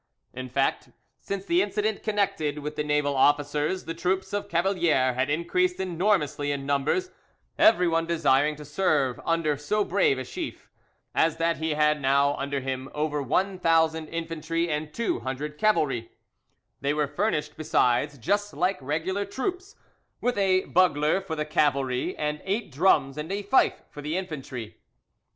In fact, since the incident connected with the naval officers the troops of Cavalier had increased enormously in numbers, everyone desiring to serve under so brave a chief, so that he had now under him over one thousand infantry and two hundred cavalry; they were furnished, besides, just like regular troops, with a bugler for the cavalry, and eight drums and a fife for the infantry.